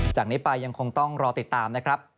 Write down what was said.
จากนี้ไปยังคงต้องรอติดตามนะครับ